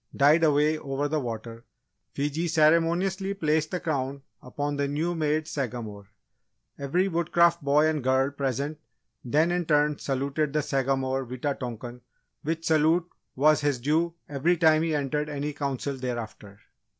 died away over the water, Fiji ceremoniously placed the Crown upon the new made Sagamore. Every Woodcraft boy and girl present then in turn saluted the Sagamore Wita tonkan, which salute was his due every time he entered any Council thereafter.